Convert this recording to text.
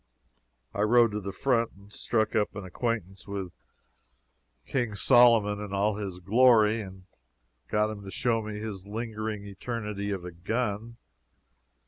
I rode to the front and struck up an acquaintance with King Solomon in all his glory, and got him to show me his lingering eternity of a gun.